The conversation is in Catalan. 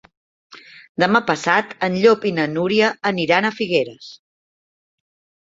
Demà passat en Llop i na Núria aniran a Figueres.